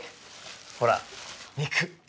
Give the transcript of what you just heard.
ほら肉！